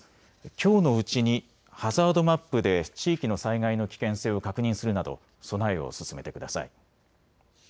きょうのうちにハザードマップで地域の災害の危険性を確認するなど備えを進めてください。